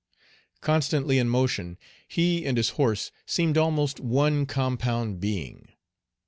Constantly in motion, he and his horse seemed almost one compound being.